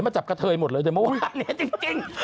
มาจับกับเธอหมดเลยเธอมาวาดนี้จริง